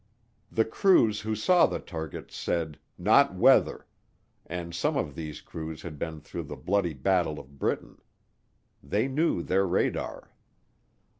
The crews who saw the targets said, "Not weather," and some of these crews had been through the bloody Battle of Britain. They knew their radar.